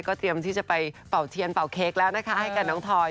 เตรียมที่จะไปเป่าเทียนเป่าเค้กแล้วนะคะให้กับน้องทอย